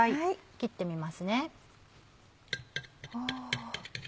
切ってみますね。